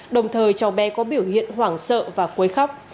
đồng thời cháu bé có biểu hiện hoảng sợ và quấy khóc